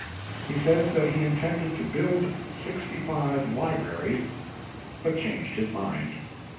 He Says that He Intended to Build Sixty five Libraries, but Changed His Mind.